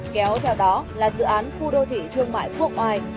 kéo theo đó là dự án khu đô thị thương mại quốc oai